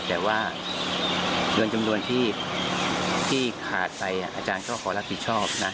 แต่ว่าเงินจำนวนที่ขาดไปอาจารย์ก็ขอรับผิดชอบนะ